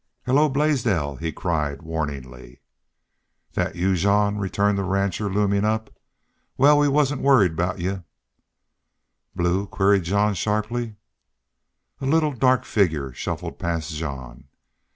"Hello, Blaisdell!" he called, warningly. "That y'u, Jean?" returned the rancher, looming up. "Wal, we wasn't worried aboot y'u." "Blue?" queried Jean, sharply. A little, dark figure shuffled past Jean.